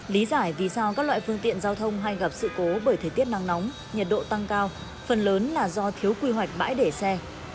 lý giải vì sao các loại phương tiện giao thông hay gặp sự cố bởi thời tiết nắng nóng nhiệt độ tăng cao phần lớn là do thiếu quy hoạch bãi để xe